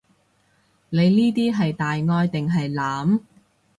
你呢啲係大愛定係濫？